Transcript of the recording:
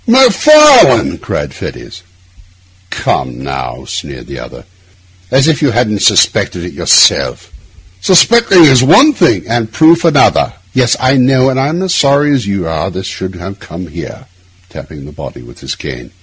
'Macfarlane!' cried Fettes. 'Come now!' sneered the other. 'As if you hadn't suspected it yourself!' 'Suspecting is one thing—' 'And proof another. Yes, I know; and I'm as sorry as you are this should have come here,' tapping the body with his cane.